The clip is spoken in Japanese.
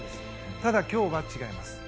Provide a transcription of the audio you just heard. ただ今日は違います。